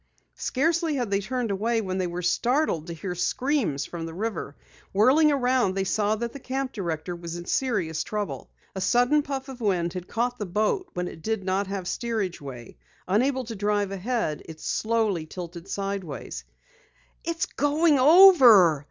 Scarcely had they turned away than they were startled to hear screams from the river. Whirling around, they saw that the camp director was in serious trouble. A sudden puff of wind had caught the boat when it did not have steerage way. Unable to drive ahead, it slowly tilted sideways. "It's going over!"